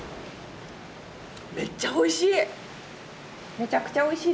めっちゃおいしい！